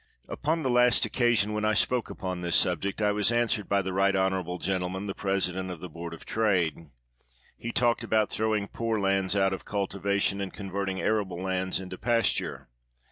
Upon the last occasion when I spoke upon this subject, I was answered by the right honorable gentleman, the president of the Board of Trade. He talked about thro^x^ng poor lands out of cul tivation, and converting arable lands into pas ture.